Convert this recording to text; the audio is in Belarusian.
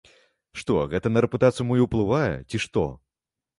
Што гэта на рэпутацыю маю ўплывае ці што?!